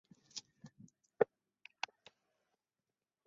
院名又著名学者袁行霈题写。